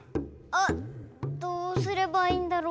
あどうすればいいんだろう？